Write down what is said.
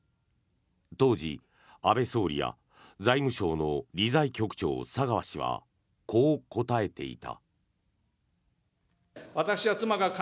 当時、安倍総理や財務省の理財局長、佐川氏はこう答えていた。